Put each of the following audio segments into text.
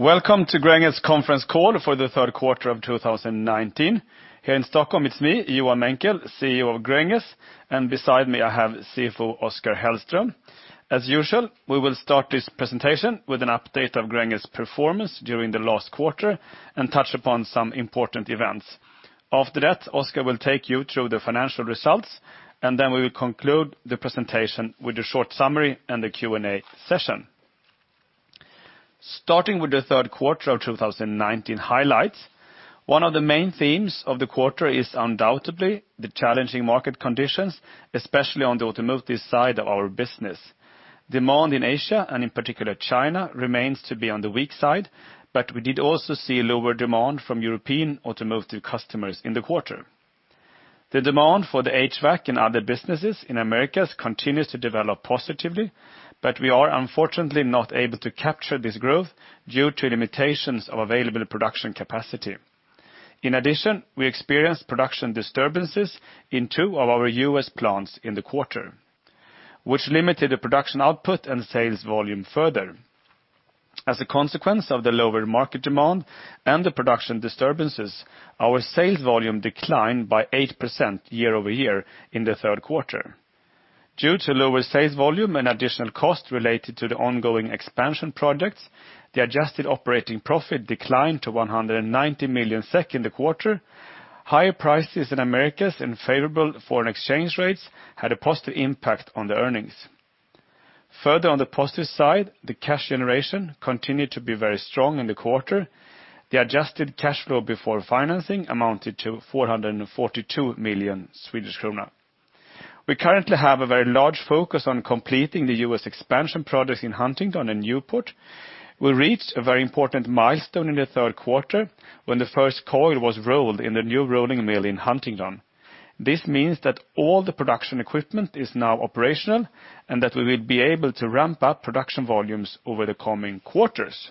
Welcome to Gränges conference call for the third quarter of 2019. Here in Stockholm, it's me, Johan Menckel, CEO of Gränges, and beside me I have CFO Oskar Hellström. As usual, we will start this presentation with an update of Gränges performance during the last quarter and touch upon some important events. After that, Oskar will take you through the financial results, and then we will conclude the presentation with a short summary and a Q&A session. Starting with the third quarter of 2019 highlights, one of the main themes of the quarter is undoubtedly the challenging market conditions, especially on the automotive side of our business. Demand in Asia, and in particular China, remains to be on the weak side, but we did also see lower demand from European automotive customers in the quarter. The demand for the HVAC and other businesses in Americas continues to develop positively, We are unfortunately not able to capture this growth due to limitations of available production capacity. In addition, we experienced production disturbances in two of our U.S. plants in the quarter, which limited the production output and sales volume further. As a consequence of the lower market demand and the production disturbances, our sales volume declined by 8% year-over-year in the third quarter. Due to lower sales volume and additional costs related to the ongoing expansion projects, the adjusted operating profit declined to 190 million SEK in the quarter. Higher prices in Americas and favorable foreign exchange rates had a positive impact on the earnings. Further on the positive side, the cash generation continued to be very strong in the quarter. The adjusted cash flow before financing amounted to 442 million Swedish kronor. We currently have a very large focus on completing the U.S. expansion projects in Huntingdon and Newport. We reached a very important milestone in the third quarter when the first coil was rolled in the new rolling mill in Huntingdon. This means that all the production equipment is now operational and that we will be able to ramp up production volumes over the coming quarters.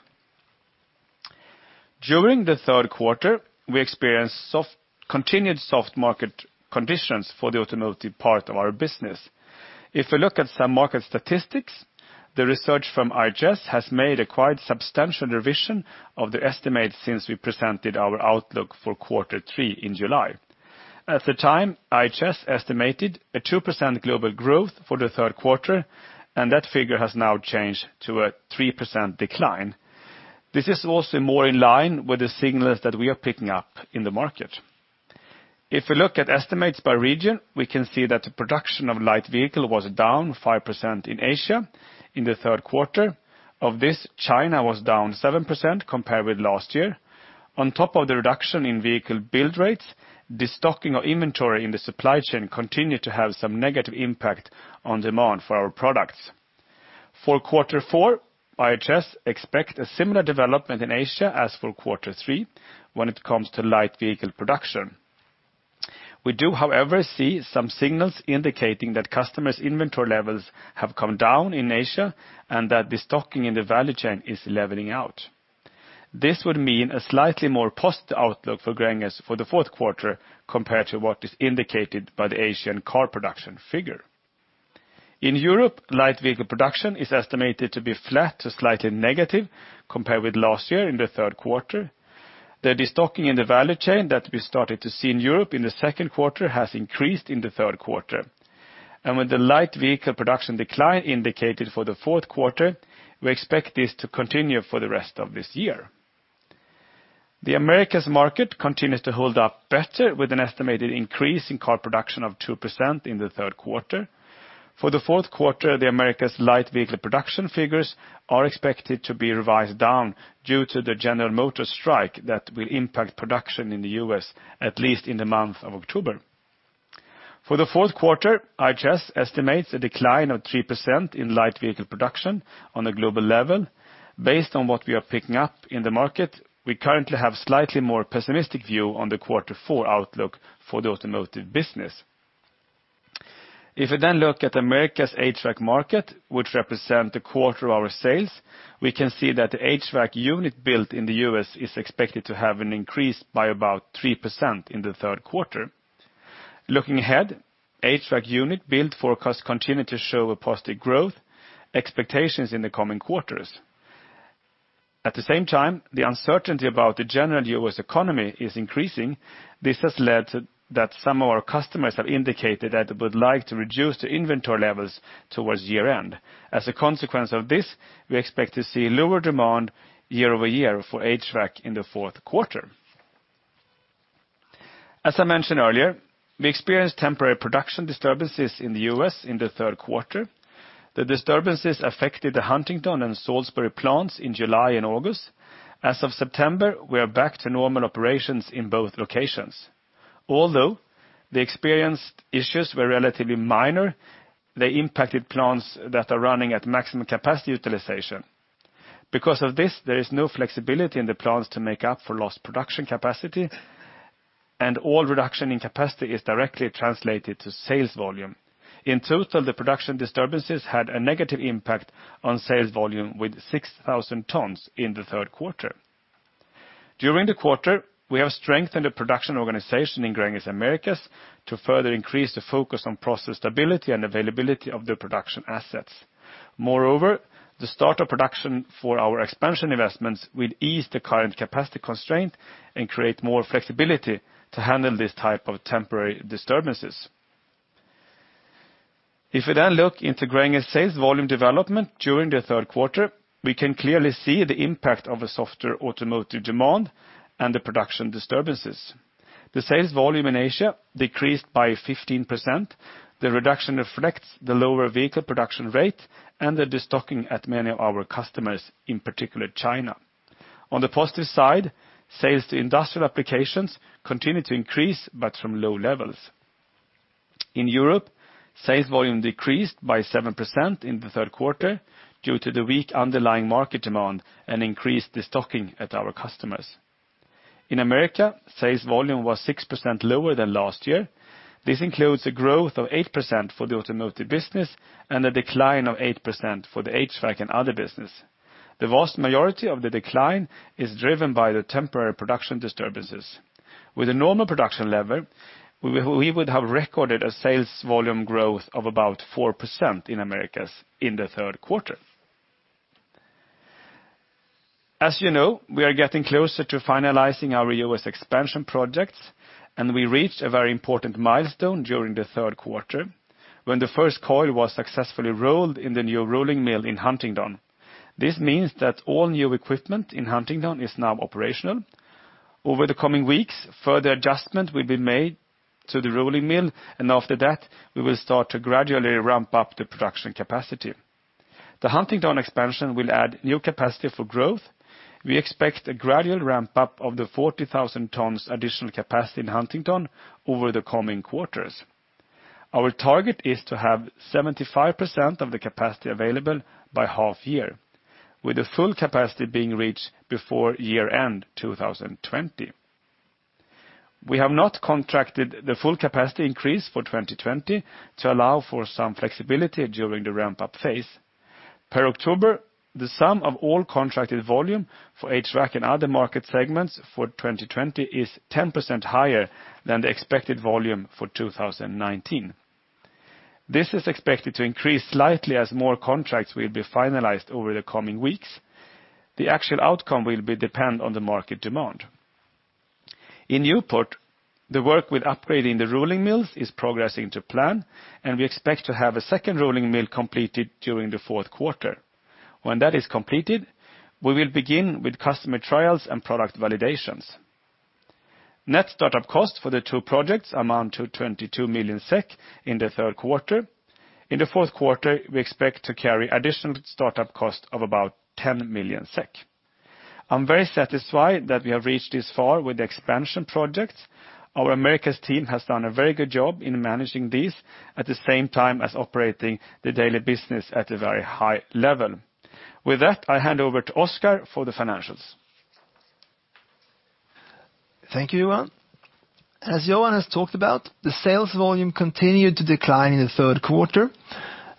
During the third quarter, we experienced continued soft market conditions for the automotive part of our business. If we look at some market statistics, the research from IHS has made a quite substantial revision of the estimate since we presented our outlook for quarter three in July. At the time, IHS estimated a 2% global growth for the third quarter, and that figure has now changed to a 3% decline. This is also more in line with the signals that we are picking up in the market. If we look at estimates by region, we can see that the production of light vehicle was down 5% in Asia in the third quarter. Of this, China was down 7% compared with last year. On top of the reduction in vehicle build rates, the stocking of inventory in the supply chain continued to have some negative impact on demand for our products. For quarter four, IHS expect a similar development in Asia as for quarter three when it comes to light vehicle production. We do, however, see some signals indicating that customers' inventory levels have come down in Asia and that the stocking in the value chain is leveling out. This would mean a slightly more positive outlook for Gränges for the fourth quarter compared to what is indicated by the Asian car production figure. In Europe, light vehicle production is estimated to be flat to slightly negative compared with last year in the third quarter. The de-stocking in the value chain that we started to see in Europe in the second quarter has increased in the third quarter. With the light vehicle production decline indicated for the fourth quarter, we expect this to continue for the rest of this year. The Americas market continues to hold up better with an estimated increase in car production of 2% in the third quarter. For the fourth quarter, the Americas light vehicle production figures are expected to be revised down due to the General Motors strike that will impact production in the U.S., at least in the month of October. For the fourth quarter, IHS estimates a decline of 3% in light vehicle production on a global level. Based on what we are picking up in the market, we currently have a slightly more pessimistic view on the quarter four outlook for the automotive business. If we then look at America's HVAC market, which represent a quarter of our sales, we can see that the HVAC unit built in the U.S. is expected to have an increase by about 3% in the third quarter. Looking ahead, HVAC unit build forecasts continue to show a positive growth expectations in the coming quarters. At the same time, the uncertainty about the general U.S. economy is increasing. This has led that some of our customers have indicated that they would like to reduce the inventory levels towards year-end. As a consequence of this, we expect to see lower demand year-over-year for HVAC in the fourth quarter. As I mentioned earlier, we experienced temporary production disturbances in the U.S. in the third quarter. The disturbances affected the Huntingdon and Salisbury plants in July and August. As of September, we are back to normal operations in both locations. Although the experienced issues were relatively minor, they impacted plants that are running at maximum capacity utilization. Because of this, there is no flexibility in the plants to make up for lost production capacity, and all reduction in capacity is directly translated to sales volume. In total, the production disturbances had a negative impact on sales volume with 6,000 tons in the third quarter. During the quarter, we have strengthened the production organization in Gränges Americas to further increase the focus on process stability and availability of the production assets. The start of production for our expansion investments will ease the current capacity constraint and create more flexibility to handle this type of temporary disturbances. If we look into Gränges sales volume development during the third quarter, we can clearly see the impact of a softer automotive demand and the production disturbances. The sales volume in Asia decreased by 15%. The reduction reflects the lower vehicle production rate and the destocking at many of our customers, in particular China. On the positive side, sales to industrial applications continue to increase, but from low levels. In Europe, sales volume decreased by 7% in the third quarter due to the weak underlying market demand and increased destocking at our customers. In America, sales volume was 6% lower than last year. This includes a growth of 8% for the automotive business and a decline of 8% for the HVAC and other business. The vast majority of the decline is driven by the temporary production disturbances. With a normal production level, we would have recorded a sales volume growth of about 4% in Americas in the third quarter. As you know, we are getting closer to finalizing our U.S. expansion projects, and we reached a very important milestone during the third quarter, when the first coil was successfully rolled in the new rolling mill in Huntingdon. This means that all new equipment in Huntingdon is now operational. Over the coming weeks, further adjustment will be made to the rolling mill, and after that, we will start to gradually ramp up the production capacity. The Huntingdon expansion will add new capacity for growth. We expect a gradual ramp-up of the 40,000 tons additional capacity in Huntingdon over the coming quarters. Our target is to have 75% of the capacity available by half year, with the full capacity being reached before year-end 2020. We have not contracted the full capacity increase for 2020 to allow for some flexibility during the ramp-up phase. Per October, the sum of all contracted volume for HVAC and other market segments for 2020 is 10% higher than the expected volume for 2019. This is expected to increase slightly as more contracts will be finalized over the coming weeks. The actual outcome will depend on the market demand. In Newport, the work with upgrading the rolling mills is progressing to plan, and we expect to have a second rolling mill completed during the fourth quarter. When that is completed, we will begin with customer trials and product validations. Net startup costs for the two projects amount to 22 million SEK in the third quarter. In the fourth quarter, we expect to carry additional startup cost of about 10 million SEK. I'm very satisfied that we have reached this far with the expansion projects. Our Americas team has done a very good job in managing this, at the same time as operating the daily business at a very high level. With that, I hand over to Oskar for the financials. Thank you, Johan. As Johan has talked about, the sales volume continued to decline in the third quarter.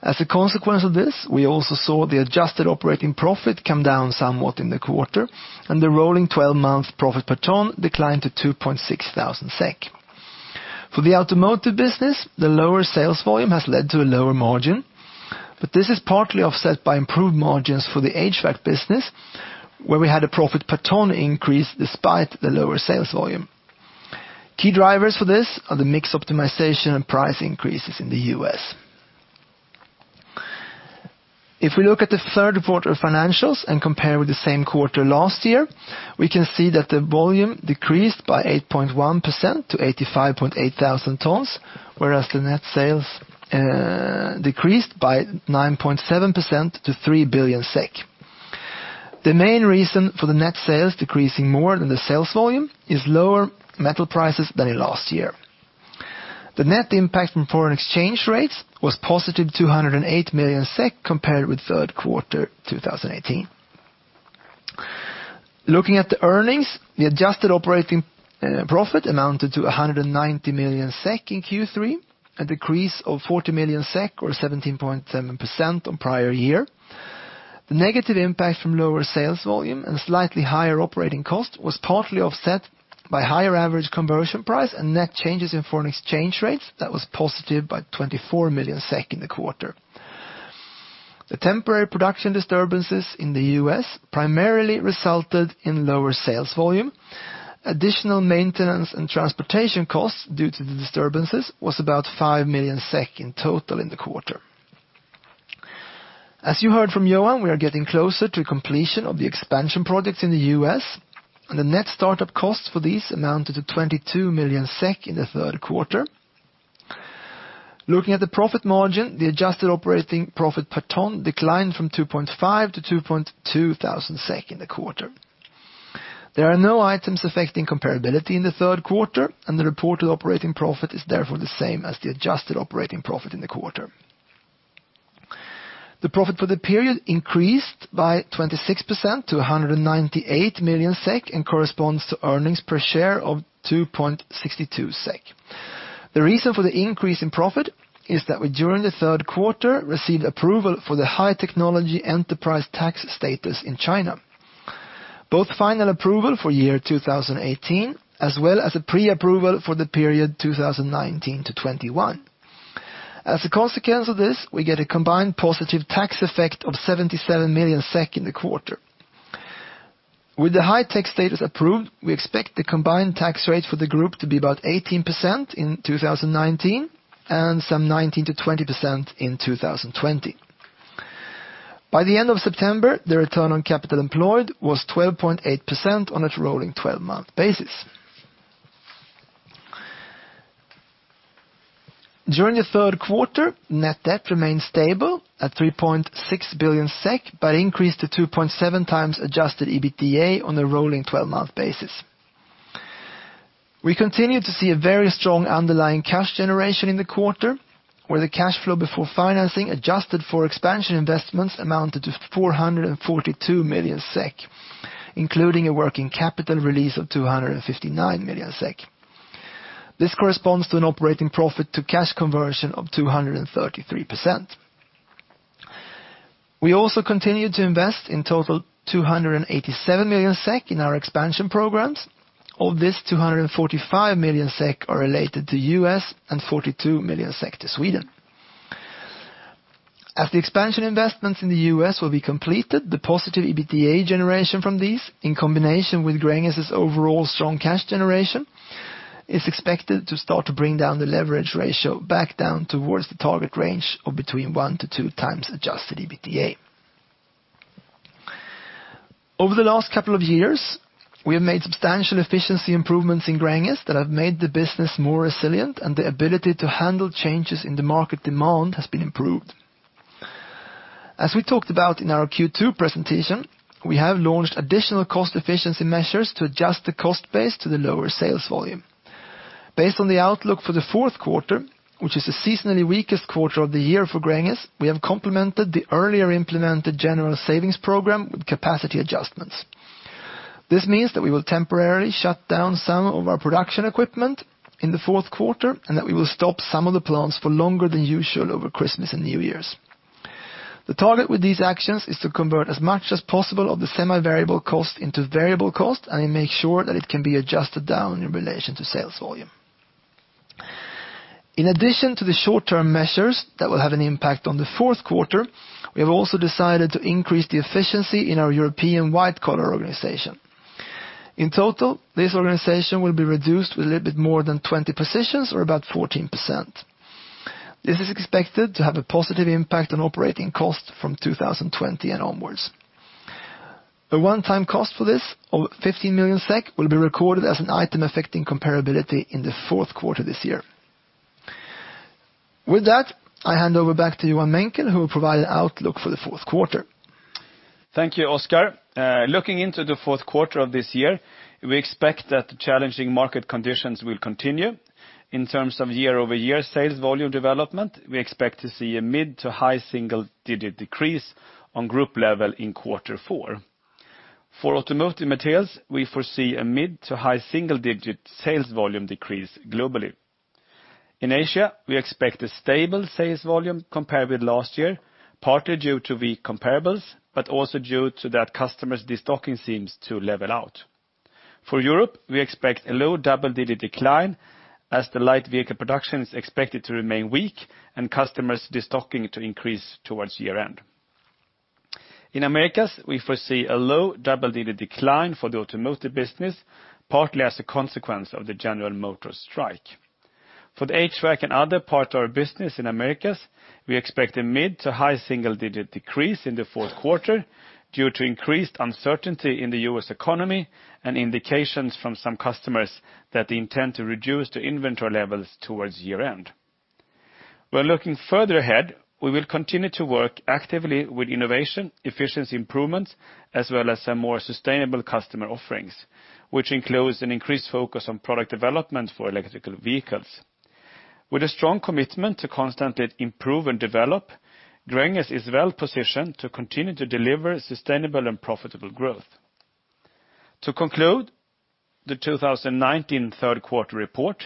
As a consequence of this, we also saw the adjusted operating profit come down somewhat in the quarter, and the rolling 12-month profit per ton declined to 2,600 SEK. For the automotive business, the lower sales volume has led to a lower margin, but this is partly offset by improved margins for the HVAC business, where we had a profit per ton increase despite the lower sales volume. Key drivers for this are the mix optimization and price increases in the U.S. If we look at the third quarter financials and compare with the same quarter last year, we can see that the volume decreased by 8.1% to 85.8 thousand tons, whereas the net sales decreased by 9.7% to 3 billion SEK. The main reason for the net sales decreasing more than the sales volume is lower metal prices than in last year. The net impact from foreign exchange rates was positive 208 million SEK compared with third quarter 2018. Looking at the earnings, the adjusted operating profit amounted to 190 million SEK in Q3, a decrease of 40 million SEK, or 17.7%, on prior year. The negative impact from lower sales volume and slightly higher operating cost was partly offset by higher average conversion price and net changes in foreign exchange rates that was positive by 24 million SEK in the quarter. The temporary production disturbances in the U.S. primarily resulted in lower sales volume. Additional maintenance and transportation costs due to the disturbances was about 5 million SEK in total in the quarter. As you heard from Johan, we are getting closer to completion of the expansion projects in the U.S., and the net start-up costs for these amounted to 22 million SEK in the third quarter. Looking at the profit margin, the adjusted operating profit per ton declined from 2,500 to 2,200 SEK in the quarter. There are no items affecting comparability in the third quarter, and the reported operating profit is therefore the same as the adjusted operating profit in the quarter. The profit for the period increased by 26% to 198 million SEK and corresponds to earnings per share of 2.62 SEK. The reason for the increase in profit is that we, during the third quarter, received approval for the High and New Technology Enterprise in China, both final approval for year 2018, as well as a pre-approval for the period 2019 to 2021. As a consequence of this, we get a combined positive tax effect of 77 million SEK in the quarter. With the High Tech status approved, we expect the combined tax rate for the group to be about 18% in 2019 and some 19%-20% in 2020. By the end of September, the return on capital employed was 12.8% on a rolling 12-month basis. During the third quarter, net debt remained stable at 3.6 billion SEK, but increased to 2.7 times adjusted EBITDA on a rolling 12-month basis. We continued to see a very strong underlying cash generation in the quarter, where the cash flow before financing, adjusted for expansion investments, amounted to 442 million SEK, including a working capital release of 259 million SEK. This corresponds to an operating profit to cash conversion of 233%. We also continued to invest in total 287 million SEK in our expansion programs. Of this, 245 million SEK are related to U.S. and 42 million SEK to Sweden. As the expansion investments in the U.S. will be completed, the positive EBITDA generation from these, in combination with Gränges' overall strong cash generation, is expected to start to bring down the leverage ratio back down towards the target range of between one to two times adjusted EBITDA. Over the last couple of years, we have made substantial efficiency improvements in Gränges that have made the business more resilient, and the ability to handle changes in the market demand has been improved. As we talked about in our Q2 presentation, we have launched additional cost efficiency measures to adjust the cost base to the lower sales volume. Based on the outlook for the fourth quarter, which is the seasonally weakest quarter of the year for Gränges, we have complemented the earlier implemented general savings program with capacity adjustments. This means that we will temporarily shut down some of our production equipment in the fourth quarter, and that we will stop some of the plants for longer than usual over Christmas and New Year's. The target with these actions is to convert as much as possible of the semi-variable cost into variable cost, and then make sure that it can be adjusted down in relation to sales volume. In addition to the short-term measures that will have an impact on the fourth quarter, we have also decided to increase the efficiency in our European white collar organization. In total, this organization will be reduced with a little bit more than 20 positions or about 14%. This is expected to have a positive impact on operating costs from 2020 and onwards. A one-time cost for this of 15 million SEK will be recorded as an item affecting comparability in the fourth quarter this year. With that, I hand over back to Johan Menckel, who will provide an outlook for the fourth quarter. Thank you, Oskar. Looking into the fourth quarter of this year, we expect that the challenging market conditions will continue. In terms of year-over-year sales volume development, we expect to see a mid to high single-digit decrease on group level in quarter four. For automotive materials, we foresee a mid to high single-digit sales volume decrease globally. In Asia, we expect a stable sales volume compared with last year, partly due to weak comparables, but also due to that customers' destocking seems to level out. For Europe, we expect a low double-digit decline as the light vehicle production is expected to remain weak and customers destocking to increase towards year-end. In Americas, we foresee a low double-digit decline for the automotive business, partly as a consequence of the General Motors strike. For the HVAC and other part of our business in Americas, we expect a mid to high single-digit decrease in the fourth quarter due to increased uncertainty in the U.S. economy and indications from some customers that they intend to reduce the inventory levels towards year-end. When looking further ahead, we will continue to work actively with innovation, efficiency improvements, as well as some more sustainable customer offerings, which includes an increased focus on product development for electrical vehicles. With a strong commitment to constantly improve and develop, Gränges is well positioned to continue to deliver sustainable and profitable growth. To conclude the 2019 third quarter report,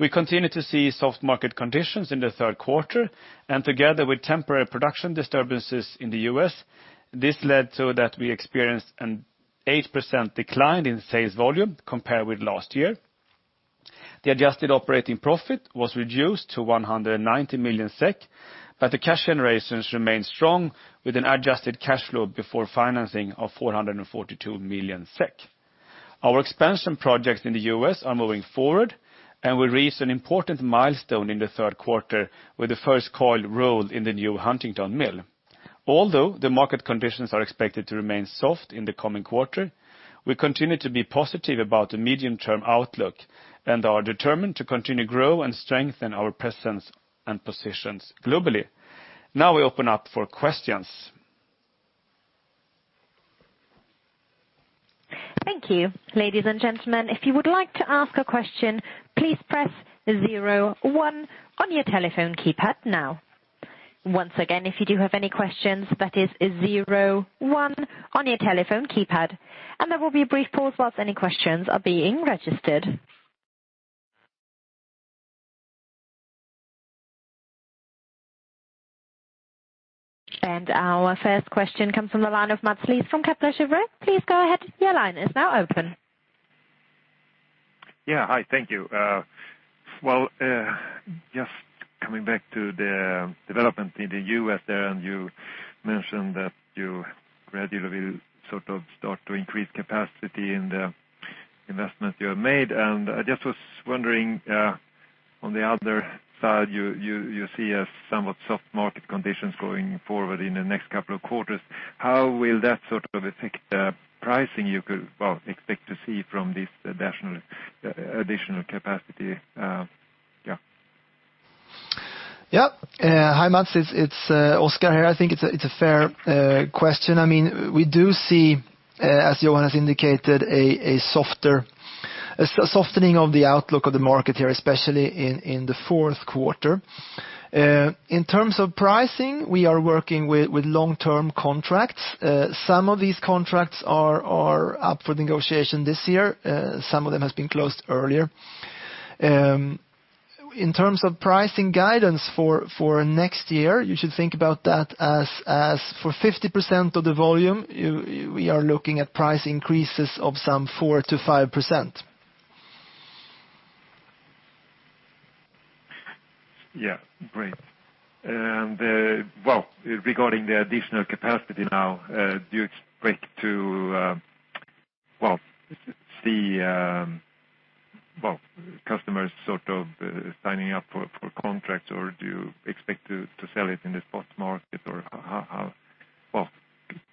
we continued to see soft market conditions in the third quarter, and together with temporary production disturbances in the U.S., this led so that we experienced an 8% decline in sales volume compared with last year. The adjusted operating profit was reduced to 190 million SEK. The cash generations remained strong with an adjusted cash flow before financing of 442 million SEK. Our expansion projects in the U.S. are moving forward, and we reached an important milestone in the third quarter with the first coil rolled in the new Huntingdon Mill. Although the market conditions are expected to remain soft in the coming quarter, we continue to be positive about the medium-term outlook and are determined to continue grow and strengthen our presence and positions globally. We open up for questions. Thank you. Ladies and gentlemen, if you would like to ask a question, please press 01 on your telephone keypad now. Once again, if you do have any questions, that is 01 on your telephone keypad. There will be a brief pause while any questions are being registered. Our first question comes from the line of Mats Liss from Kepler Cheuvreux. Please go ahead. Your line is now open. Yeah. Hi, thank you. Just coming back to the development in the U.S. there. You mentioned that you gradually will start to increase capacity in the investment you have made. I just was wondering, on the other side, you see a somewhat soft market conditions going forward in the next couple of quarters. How will that affect the pricing you could, well, expect to see from this additional capacity? Hi, Mats. It's Oskar here. I think it's a fair question. We do see, as Johan has indicated, a softening of the outlook of the market here, especially in the fourth quarter. In terms of pricing, we are working with long-term contracts. Some of these contracts are up for negotiation this year. Some of them has been closed earlier. In terms of pricing guidance for next year, you should think about that as for 50% of the volume, we are looking at price increases of some 4%-5%. Yeah, great. Well, regarding the additional capacity now, do you expect to see customers signing up for contracts, or do you expect to sell it in the spot market, or how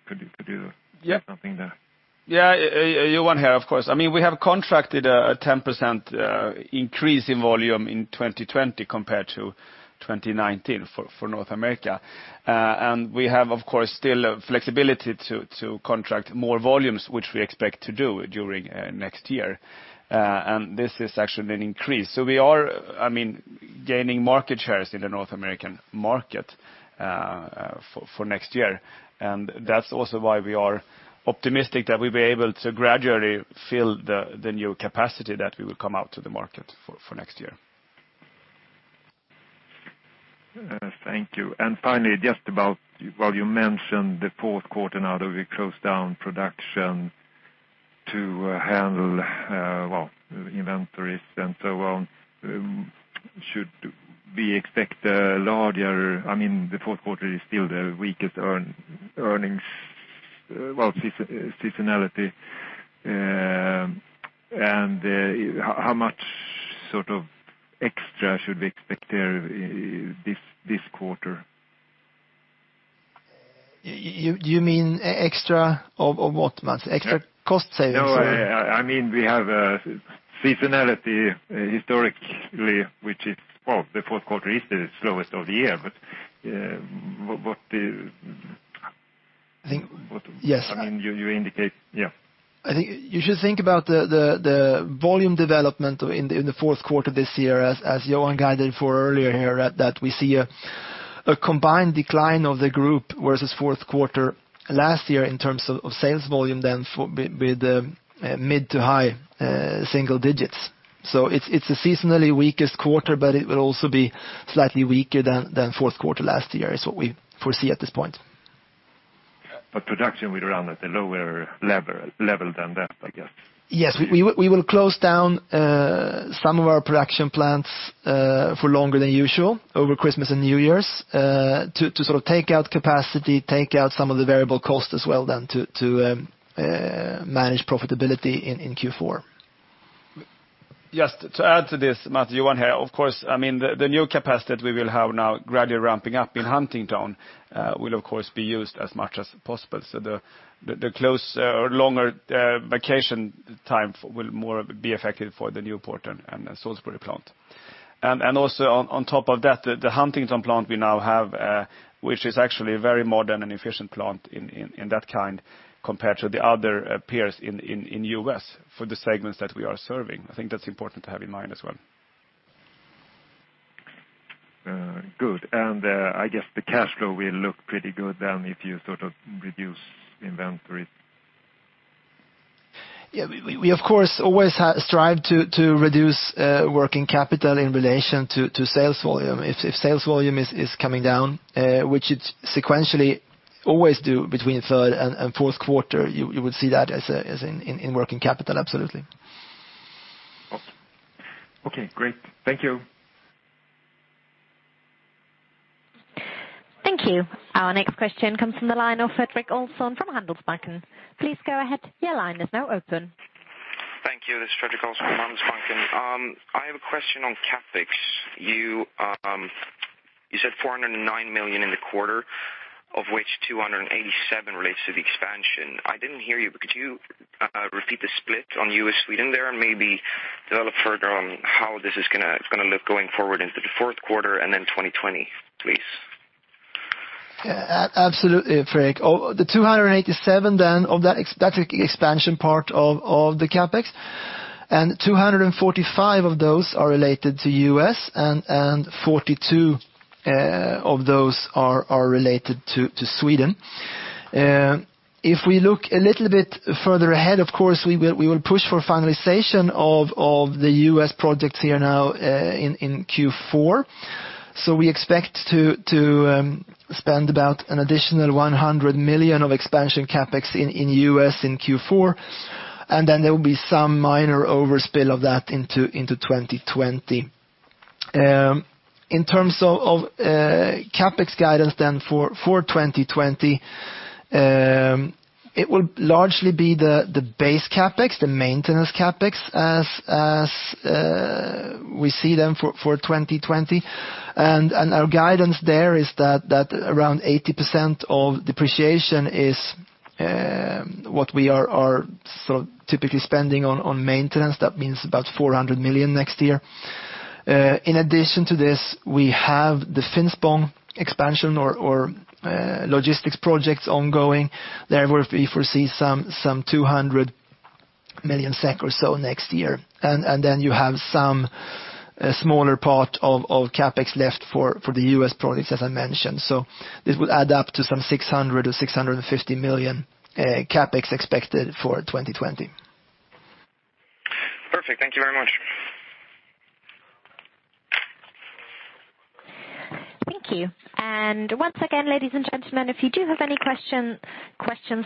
could you do something there? Yeah. Johan here, of course. We have contracted a 10% increase in volume in 2020 compared to 2019 for North America. We have, of course, still flexibility to contract more volumes, which we expect to do during next year. This is actually an increase. We are gaining market shares in the North American market for next year, and that's also why we are optimistic that we'll be able to gradually fill the new capacity that we will come out to the market for next year. Thank you. Finally, just about, while you mentioned the fourth quarter now that we closed down production to handle inventories and so on, the fourth quarter is still the weakest earnings seasonality, and how much extra should we expect there this quarter? You mean extra of what, Mats? Extra cost savings, or? We have a seasonality historically, which is, well, the fourth quarter is the slowest of the year. I think, yes. you indicate, yeah. I think you should think about the volume development in the fourth quarter this year, as Johan guided for earlier here, that we see a combined decline of the group versus fourth quarter last year in terms of sales volume with mid to high single digits. It's the seasonally weakest quarter, but it will also be slightly weaker than fourth quarter last year, is what we foresee at this point. Production will run at a lower level than that, I guess. Yes. We will close down some of our production plants for longer than usual over Christmas and New Year's to take out capacity, take out some of the variable cost as well then to manage profitability in Q4. Just to add to this, Mats, Johan here. Of course, the new capacity that we will have now gradually ramping up in Huntingdon will, of course, be used as much as possible. The closer or longer vacation time will more be effective for the Newport and Salisbury plant. Also on top of that, the Huntingdon plant we now have, which is actually a very modern and efficient plant in that kind compared to the other peers in U.S. for the segments that we are serving. I think that's important to have in mind as well. Good. I guess the cash flow will look pretty good then if you reduce inventory. Yeah. We, of course, always strive to reduce working capital in relation to sales volume. If sales volume is coming down, which it sequentially always do between third and fourth quarter, you would see that in working capital, absolutely. Okay. Okay, great. Thank you. Thank you. Our next question comes from the line of Fredrik Olsson from Handelsbanken. Please go ahead. Your line is now open. Thank you. This is Fredrik Olsson from Handelsbanken. I have a question on CapEx. You said 409 million in the quarter, of which 287 relates to the expansion. I didn't hear you, but could you repeat the split on U.S., Sweden there, and maybe develop further on how this is going to look going forward into the fourth quarter and then 2020, please? Absolutely, Fredrik. The 287, that's the expansion part of the CapEx, and 245 of those are related to U.S., and 42 of those are related to Sweden. If we look a little bit further ahead, of course, we will push for finalization of the U.S. projects here now in Q4. We expect to spend about an additional 100 million of expansion CapEx in U.S. in Q4, and there will be some minor overspill of that into 2020. In terms of CapEx guidance for 2020, it will largely be the base CapEx, the maintenance CapEx, as we see them for 2020. Our guidance there is that around 80% of depreciation is what we are typically spending on maintenance. That means about 400 million next year. In addition to this, we have the Finspång expansion or logistics projects ongoing. There we foresee some 200 million SEK or so next year. You have some smaller part of CapEx left for the U.S. projects, as I mentioned. This would add up to some 600 or 650 million CapEx expected for 2020. Perfect. Thank you very much. Thank you. Once again, ladies and gentlemen, if you do have any questions,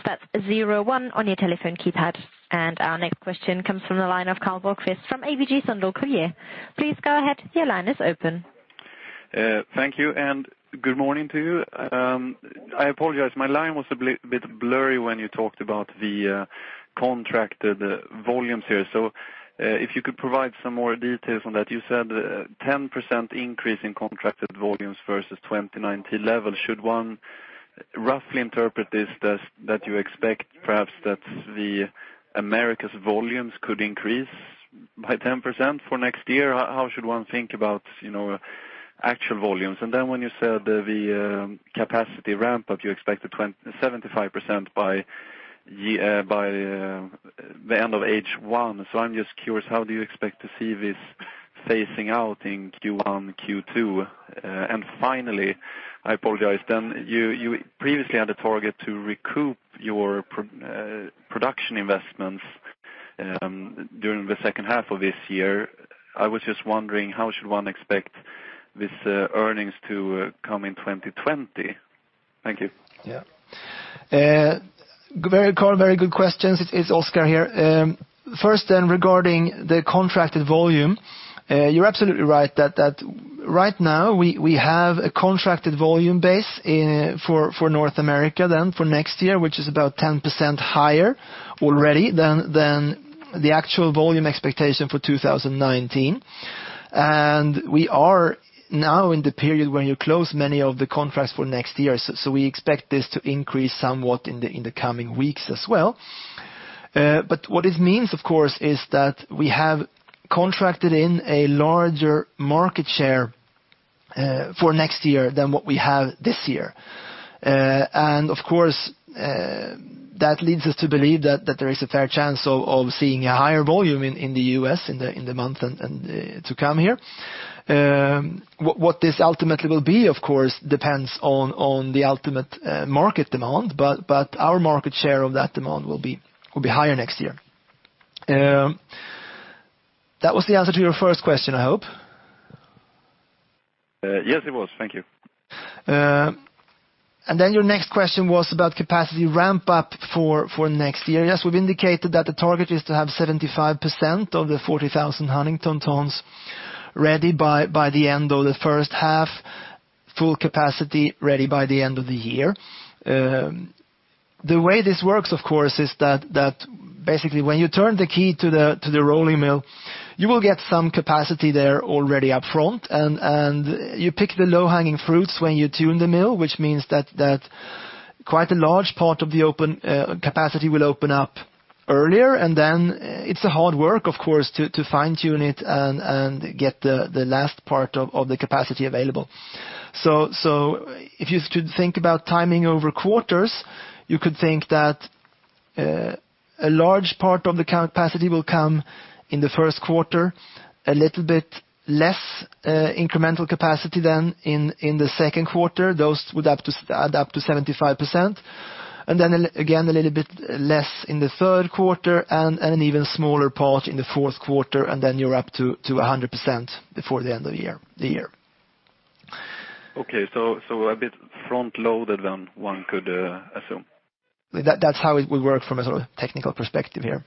that's zero one on your telephone keypad. Our next question comes from the line of Carl Bergkvist from ABG Sundal Collier. Please go ahead. Your line is open. Thank you. Good morning to you. I apologize, my line was a bit blurry when you talked about the contracted volumes here. If you could provide some more details on that. You said 10% increase in contracted volumes versus 2019 levels. Should one roughly interpret this that you expect perhaps that the Americas volumes could increase by 10% for next year? How should one think about actual volumes? When you said the capacity ramp-up, you expect 75% by the end of Q1. I'm just curious, how do you expect to see this phasing out in Q1, Q2? Finally, I apologize, then you previously had a target to recoup your production investments during the second half of this year. I was just wondering how should one expect these earnings to come in 2020? Thank you. Yeah. Carl, very good questions. It's Oskar here. First, regarding the contracted volume, you're absolutely right that right now we have a contracted volume base for North America then for next year, which is about 10% higher already than the actual volume expectation for 2019. We are now in the period where you close many of the contracts for next year. We expect this to increase somewhat in the coming weeks as well. What this means, of course, is that we have contracted in a larger market share for next year than what we have this year. Of course, that leads us to believe that there is a fair chance of seeing a higher volume in the U.S. in the months to come here. What this ultimately will be, of course, depends on the ultimate market demand, but our market share of that demand will be higher next year. That was the answer to your first question, I hope. Yes, it was. Thank you. Your next question was about capacity ramp-up for next year. Yes, we've indicated that the target is to have 75% of the 40,000 Huntingdon tons ready by the end of the first half, full capacity ready by the end of the year. The way this works, of course, is that basically when you turn the key to the rolling mill, you will get some capacity there already up front, and you pick the low-hanging fruits when you tune the mill, which means that quite a large part of the capacity will open up earlier, it's a hard work, of course, to fine-tune it and get the last part of the capacity available. If you think about timing over quarters, you could think that a large part of the capacity will come in the first quarter, a little bit less incremental capacity then in the second quarter. Those would add up to 75%. Again, a little bit less in the third quarter and an even smaller part in the fourth quarter, and then you're up to 100% before the end of the year. Okay. A bit front-loaded than one could assume. That's how it would work from a technical perspective here.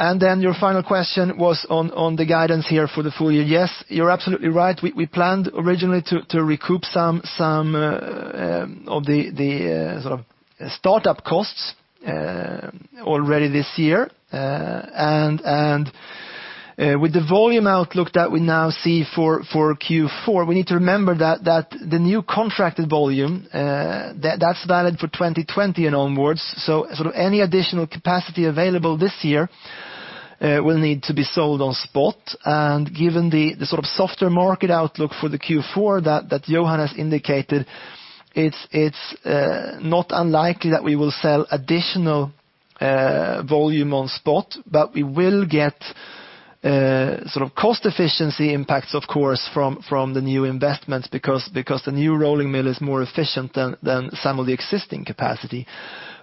Your final question was on the guidance here for the full year. Yes, you're absolutely right. We planned originally to recoup some of the startup costs already this year. With the volume outlook that we now see for Q4, we need to remember that the new contracted volume, that's valid for 2020 and onwards. Any additional capacity available this year will need to be sold on spot. Given the softer market outlook for the Q4 that Johan has indicated, it's not unlikely that we will sell additional volume on spot, but we will get cost efficiency impacts, of course, from the new investments because the new rolling mill is more efficient than some of the existing capacity.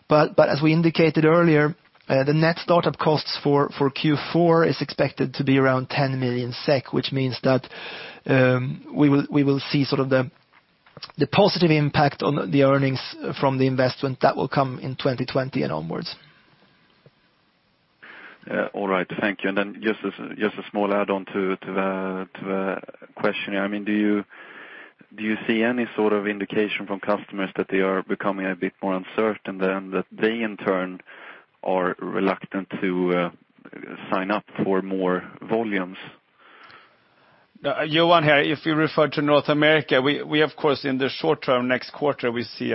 As we indicated earlier, the net startup costs for Q4 is expected to be around 10 million SEK, which means that we will see the positive impact on the earnings from the investment that will come in 2020 and onwards. All right. Thank you. Just a small add-on to the question. Do you see any sort of indication from customers that they are becoming a bit more uncertain than that they, in turn, are reluctant to sign up for more volumes? Johan here. If you refer to North America, we of course, in the short term, next quarter, we see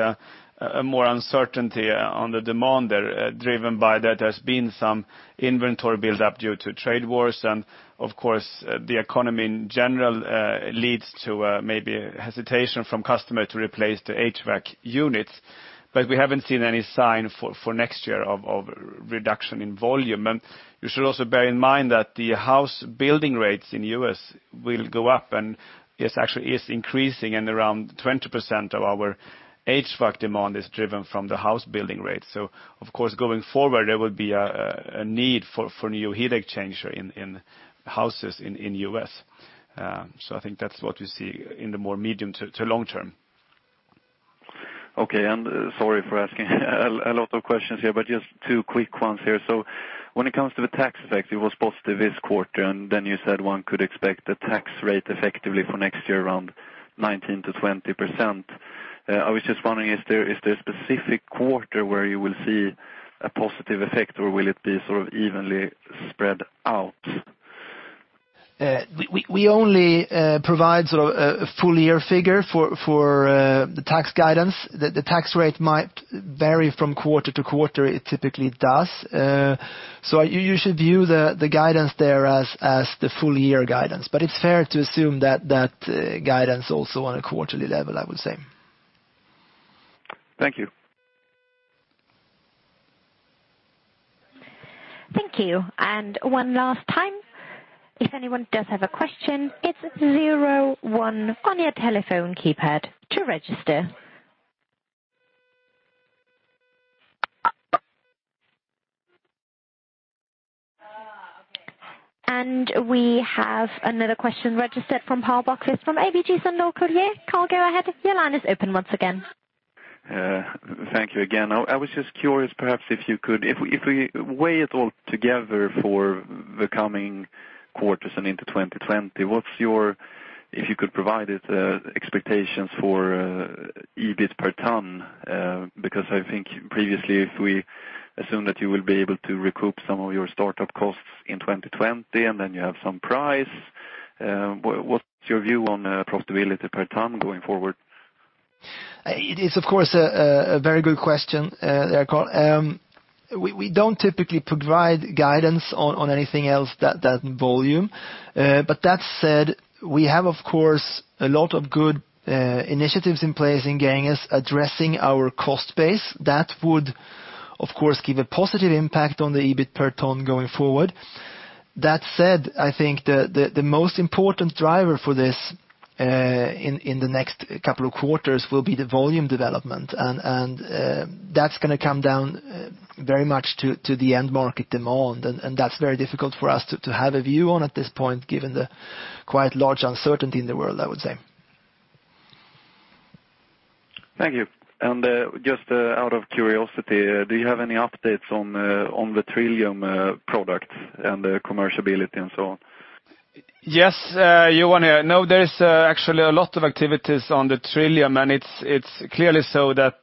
more uncertainty on the demand there driven by that there's been some inventory buildup due to trade wars, and of course, the economy in general leads to maybe hesitation from customer to replace the HVAC units. We haven't seen any sign for next year of reduction in volume. You should also bear in mind that the house building rates in U.S. will go up, and it actually is increasing and around 20% of our HVAC demand is driven from the house building rate. Of course, going forward, there will be a need for new heat exchanger in houses in U.S. I think that's what we see in the more medium to long term. Okay. Sorry for asking a lot of questions here, but just two quick ones here. When it comes to the tax effect, it was positive this quarter, and then you said one could expect the tax rate effectively for next year around 19%-20%. I was just wondering, is there a specific quarter where you will see a positive effect or will it be evenly spread out? We only provide a full year figure for the tax guidance. The tax rate might vary from quarter to quarter. It typically does. You should view the guidance there as the full year guidance. It's fair to assume that guidance also on a quarterly level, I would say. Thank you. Thank you. One last time. If anyone does have a question, it's zero one on your telephone keypad to register. We have another question registered from Carl Bergkvist from ABG Sundal Collier. Carl, go ahead. Your line is open once again. Thank you again. I was just curious, perhaps if we weigh it all together for the coming quarters and into 2020, if you could provide the expectations for EBIT per ton, because I think previously, if we assume that you will be able to recoup some of your startup costs in 2020, and then you have some price, what's your view on profitability per ton going forward? It is, of course, a very good question there, Carl. We don't typically provide guidance on anything else than volume. That said, we have, of course, a lot of good initiatives in place in getting us addressing our cost base. That would, of course, give a positive impact on the EBIT per ton going forward. That said, I think the most important driver for this in the next couple of quarters will be the volume development, and that's going to come down very much to the end market demand, and that's very difficult for us to have a view on at this point, given the quite large uncertainty in the world, I would say. Thank you. Just out of curiosity, do you have any updates on the Trillium product and the commercial ability and so on? Yes, Johan here. There is actually a lot of activities on the Trillium, and it's clearly so that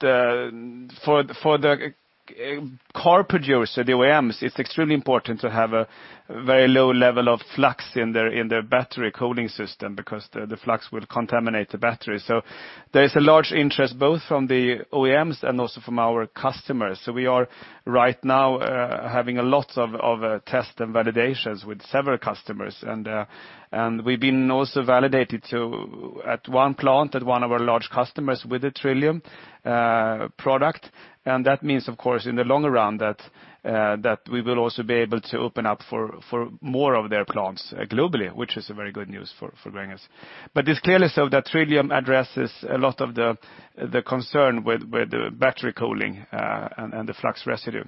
for the car producer, the OEMs, it's extremely important to have a very low level of flux in their battery cooling system because the flux will contaminate the battery. There is a large interest both from the OEMs and also from our customers. We are right now having a lot of test and validations with several customers. We've been also validated too at one plant at one of our large customers with the Trillium product. That means, of course, in the long run that we will also be able to open up for more of their plants globally, which is a very good news for Gränges. It's clearly so that Trillium addresses a lot of the concern with the battery cooling and the flux residue.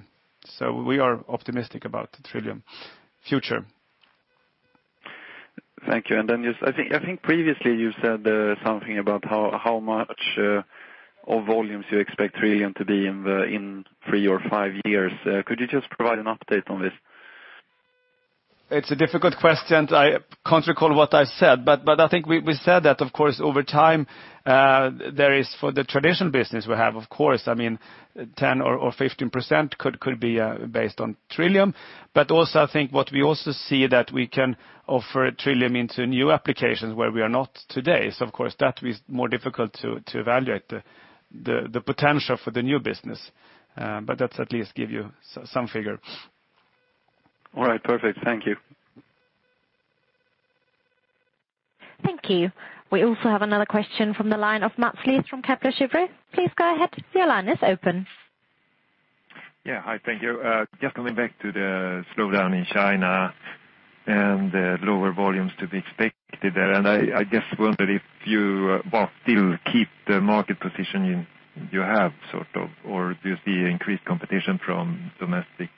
We are optimistic about the Trillium future. Thank you. I think previously you said something about how much of volumes you expect Trillium to be in three or five years. Could you just provide an update on this? It's a difficult question. I can't recall what I said, but I think we said that, of course, over time, there is for the traditional business we have, of course, 10% or 15% could be based on Trillium. Also I think what we also see that we can offer Trillium into new applications where we are not today. Of course, that is more difficult to evaluate the potential for the new business. That's at least give you some figure. All right. Perfect. Thank you. Thank you. We also have another question from the line of Mats Liss from Kepler Cheuvreux. Please go ahead. Your line is open. Yeah. Hi, thank you. Just coming back to the slowdown in China and the lower volumes to be expected there. I just wondered if you both still keep the market position you have, sort of, or do you see increased competition from domestic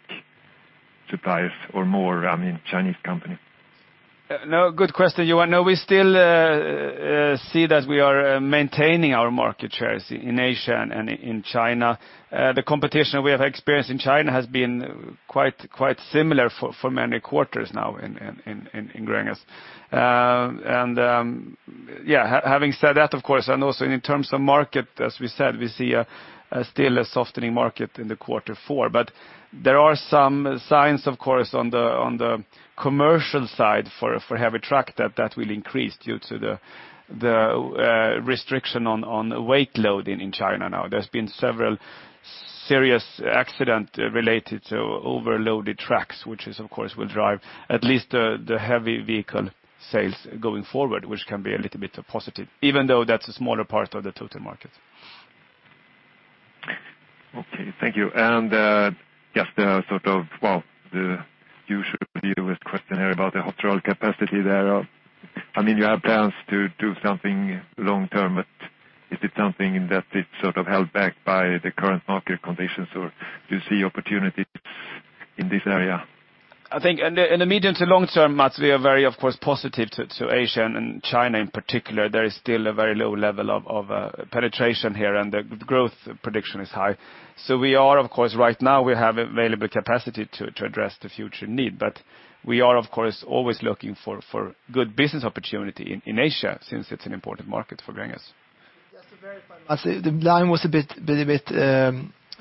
suppliers or more Chinese companies? No, good question. We still see that we are maintaining our market shares in Asia and in China. The competition we have experienced in China has been quite similar for many quarters now in Gränges. Yeah, having said that, of course, and also in terms of market, as we said, we see still a softening market in the quarter four. There are some signs, of course, on the commercial side for heavy truck that will increase due to the restriction on weight loading in China now. There's been several serious accident related to overloaded trucks, which of course, will drive at least the heavy vehicle sales going forward, which can be a little bit positive, even though that's a smaller part of the total market. Okay. Thank you. Just the usual view question here about the hot roll capacity there. You have plans to do something long-term, but is it something that is held back by the current market conditions, or do you see opportunities in this area? I think in the medium to long term, Mats, we are very, of course, positive to Asia, and China in particular. There is still a very low level of penetration here, and the growth prediction is high. We are, of course, right now we have available capacity to address the future need. We are, of course, always looking for good business opportunity in Asia since it's an important market for Gränges. Just to verify Mats, the line was a bit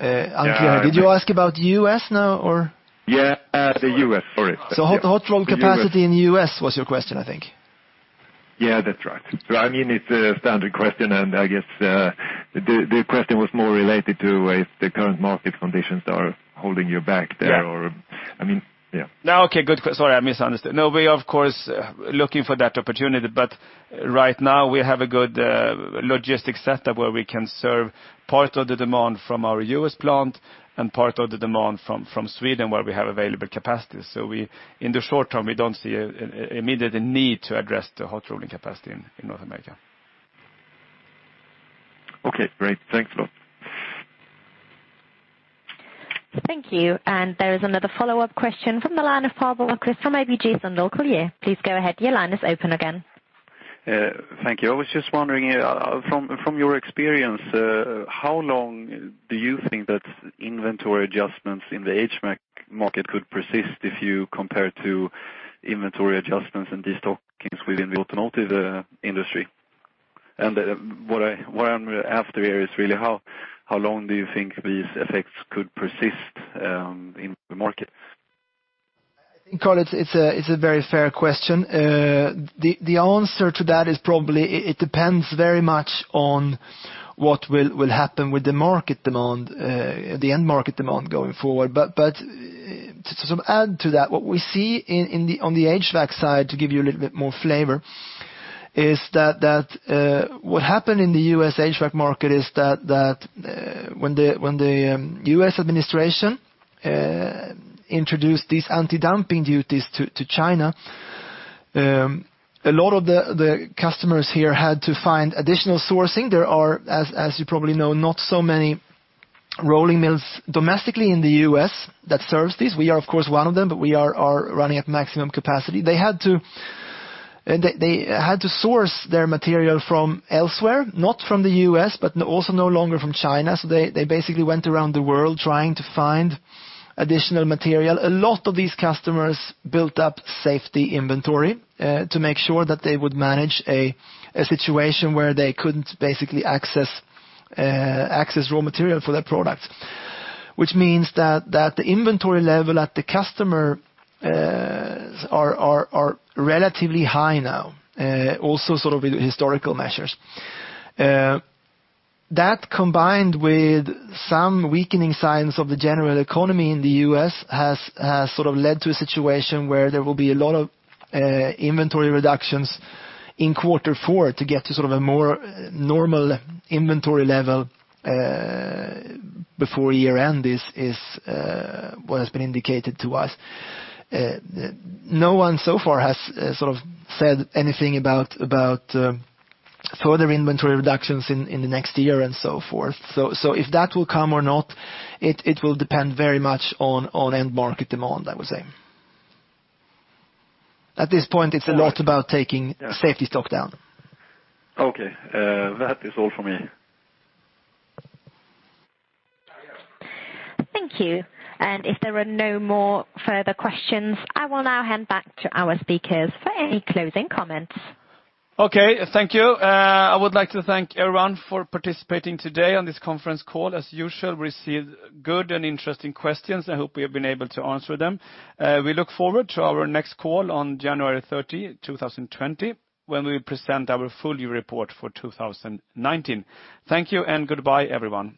unclear. Did you ask about U.S. now or? Yeah, the U.S. Sorry. Hot roll capacity in the U.S. was your question, I think. Yeah, that's right. I guess, the question was more related to if the current market conditions are holding you back there. Yeah. I mean, yeah. No. Okay, good. Sorry, I misunderstood. We, of course, are looking for that opportunity, but right now we have a good logistics setup where we can serve part of the demand from our U.S. plant and part of the demand from Sweden where we have available capacity. In the short term, we don't see an immediate need to address the hot rolling capacity in North America. Okay, great. Thanks a lot. Thank you. There is another follow-up question from the line of Pawel Krysa from ABG Sundal Collier. Please go ahead. Your line is open again. Thank you. I was just wondering, from your experience, how long do you think that inventory adjustments in the HVAC market could persist if you compare to inventory adjustments and destockings within the automotive industry? What I'm after here is really how long do you think these effects could persist in the market? I think, Pawel, it's a very fair question. The answer to that is probably it depends very much on what will happen with the market demand, the end market demand going forward. To add to that, what we see on the HVAC side, to give you a little bit more flavor, is that what happened in the U.S. HVAC market is that when the U.S. administration introduced these anti-dumping duties to China, a lot of the customers here had to find additional sourcing. There are, as you probably know, not so many rolling mills domestically in the U.S. that serves these. We are, of course, one of them, but we are running at maximum capacity. They had to source their material from elsewhere, not from the U.S., but also no longer from China. They basically went around the world trying to find additional material. A lot of these customers built up safety inventory, to make sure that they would manage a situation where they couldn't basically access raw material for their product, which means that the inventory level at the customers are relatively high now, also with historical measures. That combined with some weakening signs of the general economy in the U.S. has led to a situation where there will be a lot of inventory reductions in quarter four to get to a more normal inventory level, before year end is what has been indicated to us. No one so far has said anything about further inventory reductions in the next year and so forth. If that will come or not, it will depend very much on end market demand, I would say. At this point, it's a lot about taking safety stock down. Okay. That is all from me. Thank you. If there are no more further questions, I will now hand back to our speakers for any closing comments. Okay. Thank you. I would like to thank everyone for participating today on this conference call. As usual, we received good and interesting questions. I hope we have been able to answer them. We look forward to our next call on January 30, 2020, when we present our full year report for 2019. Thank you and goodbye, everyone.